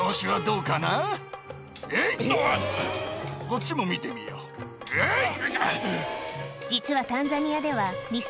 こっちも診てみようえい！